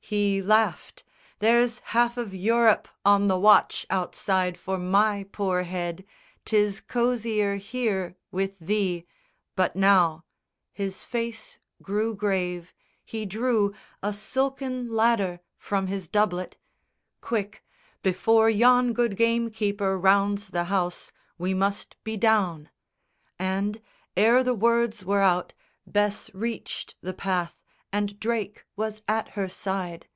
He laughed: "There's half of Europe on the watch Outside for my poor head, 'Tis cosier here With thee; but now" his face grew grave, he drew A silken ladder from his doublet "quick, Before yon good gamekeeper rounds the house We must be down." And ere the words were out Bess reached the path, and Drake was at her side.